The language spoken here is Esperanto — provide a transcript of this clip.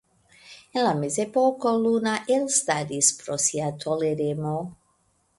En la Mezepoko Luna elstaris pro sia toleremo.